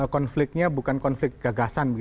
konfliknya bukan konflik gagasan